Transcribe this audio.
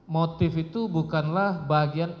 motif itu bukanlah bagian